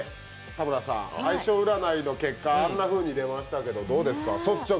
田村さん、相性占いの結果、あんなふうに出ましたけど、どうでしたか？